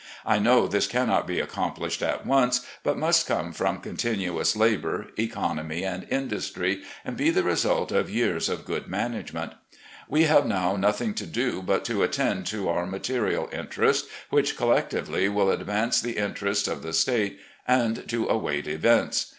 I know this cannot be accomplished at once, but must come from continuous labour, economy, and industry, and be the result of years of good management. We have now nothing to do but to attend to our material interests which collectively wiU advance the interests of the State, and to await events.